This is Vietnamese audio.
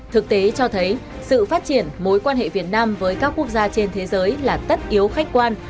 thực tế cho thấy sự phát triển mối quan hệ việt nam với các quốc gia trên thế giới là tất yếu khách quan